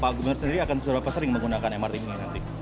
pak gubernur sendiri akan sejuruh apa sering menggunakan mrt ini nanti